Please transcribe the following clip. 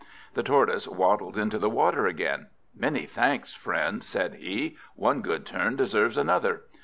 The Tortoise waddled into the water again. "Many thanks, friend," said he. "One good turn deserves another."